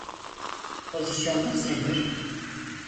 Pozisyonunuz nedir?